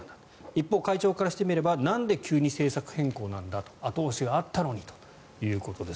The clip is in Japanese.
一方、会長からしてみればなんで急に政策変更なんだと後押しがあったのにということです。